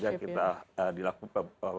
sehingga kita dilakukan